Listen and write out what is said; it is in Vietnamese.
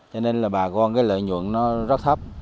cho nên là bà con cái lợi nhuận nó rất thấp